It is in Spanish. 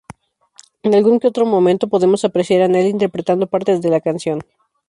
En algún que otro momento podemos apreciar a Nelly interpretando partes de la canción.